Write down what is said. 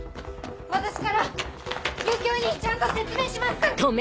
私から漁協にちゃんと説明しますから！